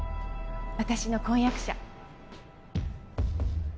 私の婚約者。